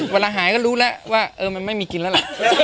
เวลาหายก็รู้แล้วว่ามันไม่มีกินแล้วล่ะ